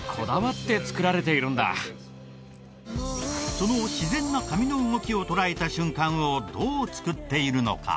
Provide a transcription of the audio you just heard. その自然な髪の動きを捉えた瞬間をどう作っているのか？